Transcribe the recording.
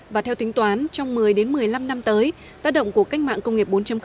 và theo tính toán trong một mươi một mươi năm năm tới tác động của cách mạng công nghiệp bốn